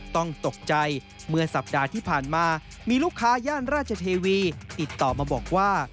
ต้องตกใจเมื่อสัปดาห์ที่ผ่านมามีลูกค้าย่านราชเทวีติดต่อมาบอกว่า